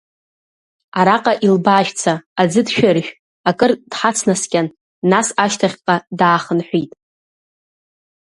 Архаҟа илбаашәца, аӡы дшәыржә, акыр дҳацнаскьан, нас шьҭахьҟа даахынҳәит.